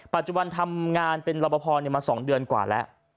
ปัจจุบันทำงานเป็นรอปภมา๒เดือนกว่าแล้ว